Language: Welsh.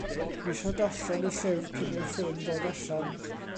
Dw i isio darllen y llyfr cyn i'r ffilm ddod allan.